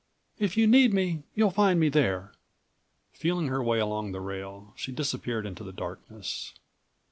"If you need me, you'll find me there." Feeling her way along the rail, she disappeared into the darkness.